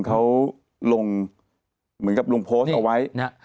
เขาลงเหมือนกับลุงโพสต์เอาไว้นะฮะ